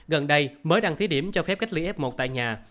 gần đây mới đăng thí điểm cho phép cách ly f một tại nhà